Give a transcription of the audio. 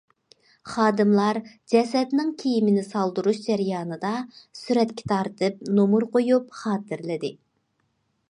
خادىملار جەسەتنىڭ كىيىمنى‹‹ سالدۇرۇش›› جەريانىدا، سۈرەتكە تارتىپ، نومۇر قويۇپ خاتىرىلىدى.